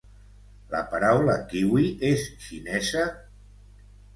La paraula kiwi és xinesa?